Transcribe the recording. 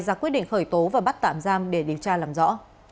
ra quyết định khởi tố và bắt tạm giam để điều tra làm rõ